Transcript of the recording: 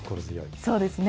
そうですね。